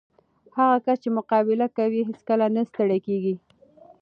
هغه کس چې مقابله کوي، هیڅکله نه ستړی کېږي.